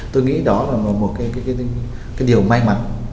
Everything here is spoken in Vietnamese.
tôi nghĩ đó là một cái điều may mắn